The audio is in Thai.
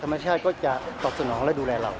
ธรรมชาติก็จะตอบสนองและดูแลเรา